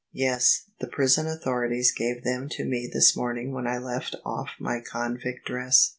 " Yes: the prison authorities gave them to me this morning when I left off my convict dress.